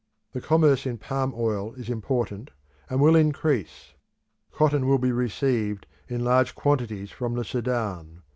The commerce in palm oil is important, and will increase. Cotton will be received in large quantities from the Sudan.